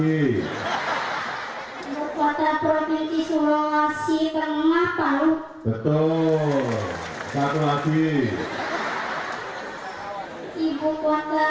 ibu kota provinsi kalimantan barat pontianak